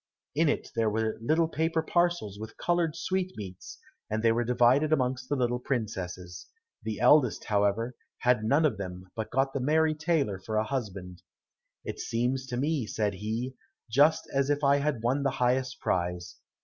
In it there were little paper parcels with colored sweetmeats, and they were divided amongst the little princesses. The eldest, however, had none of them, but got the merry tailor for a husband. "It seems to me," said he, "just as if I had won the highest prize.